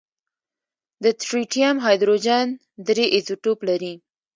د ټریټیم هایدروجن درې ایزوټوپ دی.